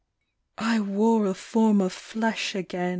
I wore a form of flesh again.